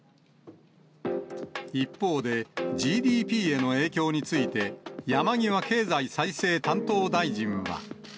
一方で、ＧＤＰへの影響について、山際経済再生担当大臣は。